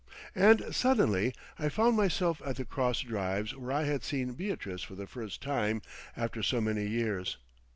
And suddenly I found myself at the cross drives where I had seen Beatrice for the first time after so many years.